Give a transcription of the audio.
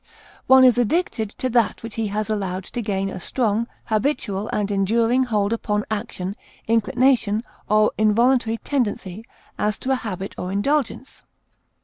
One is addicted to that which he has allowed to gain a strong, habitual, and enduring hold upon action, inclination, or involuntary tendency, as to a habit or indulgence.